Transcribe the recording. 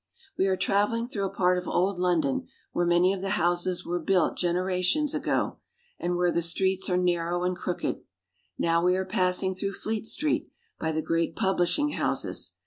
We are traveling through a part of old London where many of the houses were built generations ago, and where the streets are narrow and crooked. Now we are passing through Fleet Street by the great publishing houses.